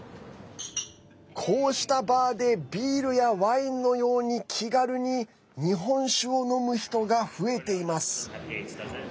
こうしたバーでビールやワインのように気軽に日本酒を飲む人が増えています。